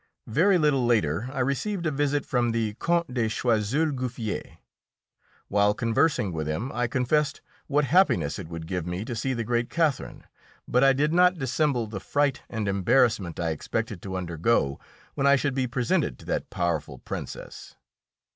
Very little later I received a visit from the Count de Choiseul Gouffier. While conversing with him I confessed what happiness it would give me to see the great Catherine, but I did not dissemble the fright and embarrassment I expected to undergo when I should be presented to that powerful Princess.